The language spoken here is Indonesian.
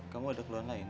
kamu ada keluhan lain